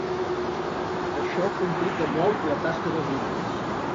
Això complica molt la tasca dels bombers.